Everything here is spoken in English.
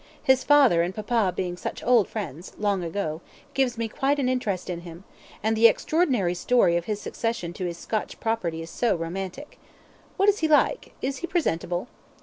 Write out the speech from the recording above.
His father and papa being such old friends, long ago, gives me quite an interest in him; and the extraordinary story of his succession to his Scotch property is so romantic. What is he like is he presentable?"